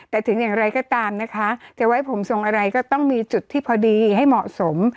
แต่ถึงอย่างไรก็ตามนะคะจะไว้ผมทรงอะไรก็ต้องมีจุดที่พอดีให้เหมาะสม